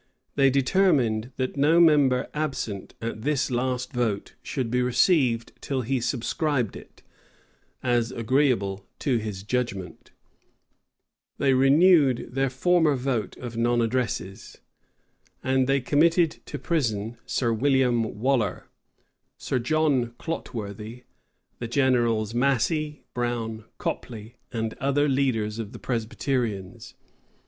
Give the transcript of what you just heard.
They determined that no member absent at this last vote should be received till he subscribed it, as agree able to his judgment. They renewed their former vote of non addresses. And they committed to prison Sir William Waller, Sir John Clotworthy, the generals Massey, Brown, Copley, and other leaders of the Presbyterians.